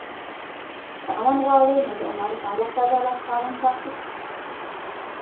که امن غواړئ، نو د عمر فاروق د عدالت قانون تعقیب کړئ.